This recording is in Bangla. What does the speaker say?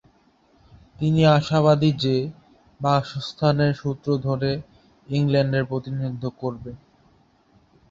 তিনি আশাবাদী যে, বাসস্থানের সূত্র ধরে ইংল্যান্ডের প্রতিনিধিত্ব করবেন।